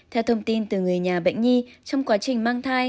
theo thông tin từ người nhà bệnh nhi trong quá trình mang thai